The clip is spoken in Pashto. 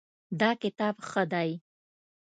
دا کتاب ښه دی